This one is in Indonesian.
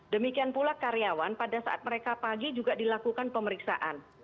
demikian pula karyawan pada saat mereka pagi juga dilakukan pemeriksaan